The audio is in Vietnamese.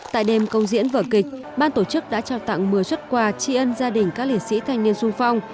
tại đêm công diễn vở kịch ban tổ chức đã trao tặng một mươi xuất quà tri ân gia đình các liệt sĩ thanh niên sung phong